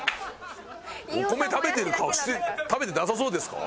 お米食べてる顔して食べてなさそうですか？